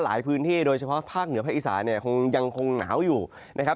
พื้นที่โดยเฉพาะภาคเหนือภาคอีสานเนี่ยคงยังคงหนาวอยู่นะครับ